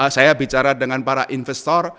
saya bicara dengan para investor